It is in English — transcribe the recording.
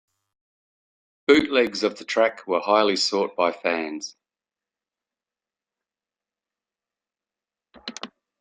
Bootlegs of the track were highly sought by fans.